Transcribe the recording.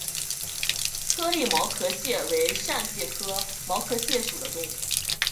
颗粒毛壳蟹为扇蟹科毛壳蟹属的动物。